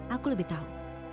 aku lebih tahu